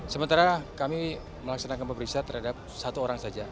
sementara kami melaksanakan pemeriksaan terhadap satu orang saja